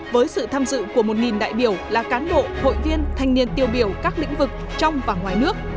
với sự tham dự của một đại biểu là cán bộ hội viên thanh niên tiêu biểu các lĩnh vực trong và ngoài nước